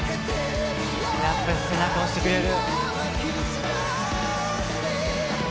やっぱり背中押してくれる。